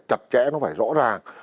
chặt chẽ nó phải rõ ràng